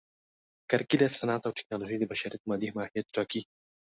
کرکېله، صنعت او ټکنالوژي د بشریت مادي ماهیت ټاکي.